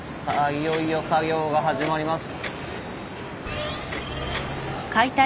いよいよ作業が始まります。